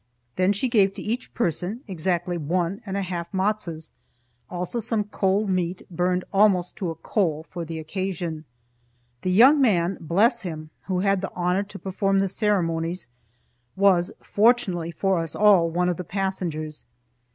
Then she gave to each person exactly one and a half matzos; also some cold meat, burned almost to a coal for the occasion. The young man bless him who had the honor to perform the ceremonies, was, fortunately for us all, one of the passengers.